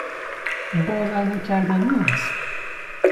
باورنکردنی است.